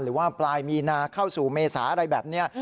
หรือว่าปลายมีนาเข้าสู่เมษาอะไรแบบนี้